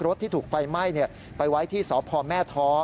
ที่ถูกไฟไหม้ไปไว้ที่สพแม่ท้อ